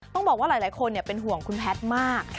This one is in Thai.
ต้องบอกว่าหลายคนเป็นห่วงคุณแพทย์มาก